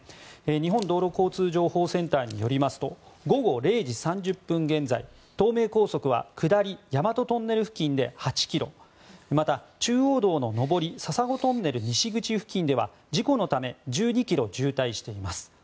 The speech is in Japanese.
日本道路交通情報センターによりますと午後０時３０分現在東名高速は下り大和トンネル付近で８ｋｍまた、中央道の上り笹子トンネル西口付近では事故のため１２ｋｍ渋滞しています。